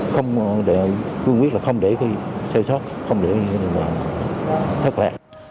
không để quyết là không để cái sơ sót không để là thất lạc